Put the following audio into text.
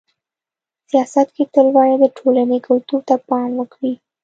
سیاست کي تل باید د ټولني کلتور ته پام وکړي.